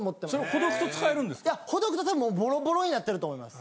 ほどくとたぶんボロボロになってると思います。